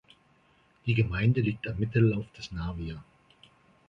Die Gemeinde liegt am Mittellauf des Navia.